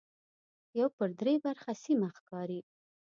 یو پر درې برخه سیمه ښکاري.